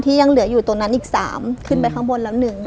ที่ยังเหลืออยู่ตรงนั้นอีกสามขึ้นไปข้างบนแล้วหนึ่ง